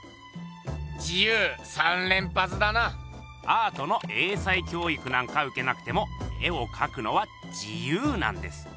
アートの英才教育なんかうけなくても絵をかくのは自由なんです。